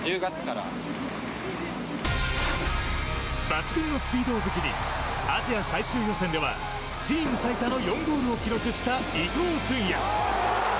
抜群のスピードを武器にアジア最終予選ではチーム最多の４ゴールを記録した伊東純也。